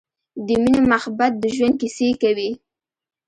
د مینې مخبت د ژوند کیسې کوی